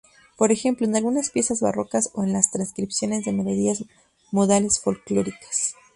Por ejemplo, en algunas piezas barrocas o en las transcripciones de melodías modales folclóricas.